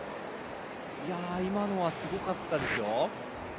今のはすごかったですよ。